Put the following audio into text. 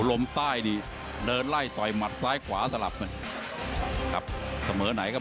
สำหรับหน่อยก็ไม่ยอมนะครับ